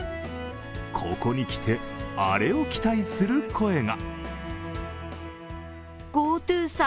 ここにきて、アレを期待する声が。